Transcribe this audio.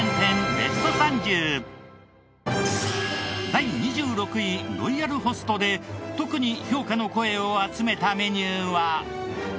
第２６位ロイヤルホストで特に評価の声を集めたメニューは？